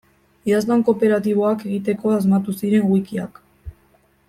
Idazlan kooperatiboak egiteko asmatu ziren wikiak.